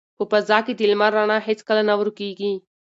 په فضا کې د لمر رڼا هیڅکله نه ورکیږي.